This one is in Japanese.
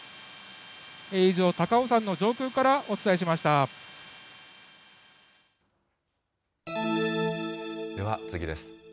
以上、高尾山の上空からお伝えしでは次です。